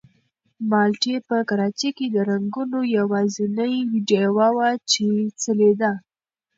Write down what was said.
مالټې په کراچۍ کې د رنګونو یوازینۍ ډېوه وه چې ځلېده.